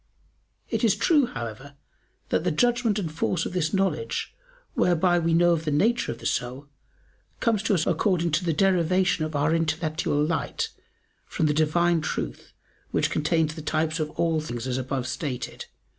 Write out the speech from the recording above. It is true, however, that the judgment and force of this knowledge, whereby we know the nature of the soul, comes to us according to the derivation of our intellectual light from the Divine Truth which contains the types of all things as above stated (Q.